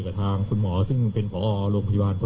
กับทางคนหมอซึ่งเป็นพรลงพิวารม์